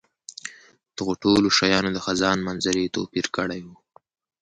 دغو ټولو شیانو د خزان منظرې توپیر کړی وو.